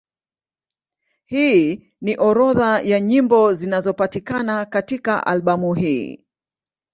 Hii ni orodha ya nyimbo zinazopatikana katika albamu hii.